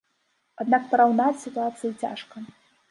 Аднак параўнаць сітуацыі цяжка.